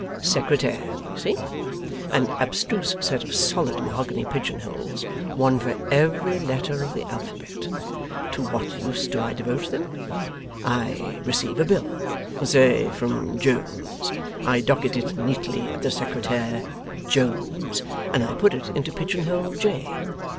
Secretaire, you see, and abstruse set of solid mahogany pigeon holes, one for every letter of the alphabet. To what use do I devote them? I receive a bill say from Jones. I docket it neatly at the secretaire, JONES, and I put it into pigeonhole J.